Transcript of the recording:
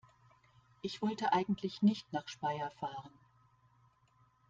Ich wollte eigentlich nicht nach Speyer fahren